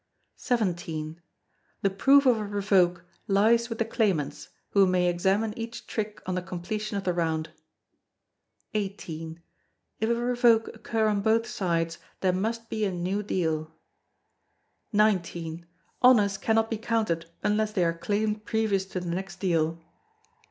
] xvii. The proof of a revoke lies with the claimants, who may examine each trick on the completion of the round. xviii. If a revoke occur on both sides, there must be a new deal. xix. Honours cannot be counted unless they are claimed previous to the next deal.